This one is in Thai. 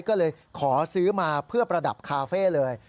ก็เลยขอซื้อมาเพื่อประดับคาเฟ่เลย